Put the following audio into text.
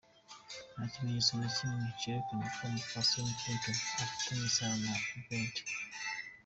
Nta kimenyetso na kimwe cerekana ko umupfasoni Clinton afitaniye isano na Birther.